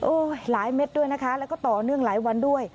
หลายเม็ดด้วยนะคะแล้วก็ต่อเนื่องหลายวันด้วย